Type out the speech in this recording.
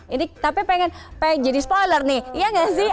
ini tapi pengen jadi spoiler nih iya gak sih